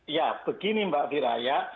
ya begini mbak viraya